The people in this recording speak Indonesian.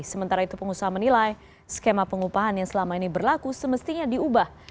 sementara itu pengusaha menilai skema pengupahan yang selama ini berlaku semestinya diubah